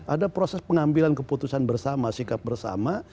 ada proses pengambilan keputusan bersama sikap bersama